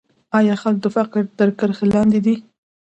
آیا خلک د فقر تر کرښې لاندې دي؟